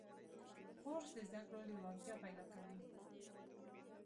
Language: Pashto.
کورس د زده کړو لیوالتیا پیدا کوي.